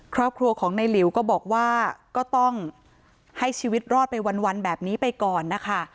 ครอบครัวของในหลิวก็บอกว่าก็ต้องให้ชีวิตรอดไปวันแบบนี้ไปก่อนนะคะ